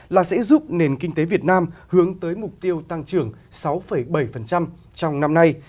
là sẽ giúp nền kinh tế việt nam hướng tới mục tiêu tăng trưởng sáu bảy trong năm nay